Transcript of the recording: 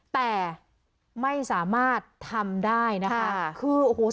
แต่ไม่สามารถทำได้นะคะคือโอ้โห